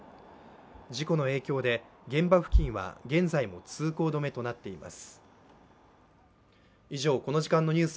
事故の影響で、現場付近は現在も通行止めとなっています。